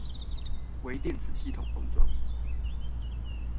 微電子系統封裝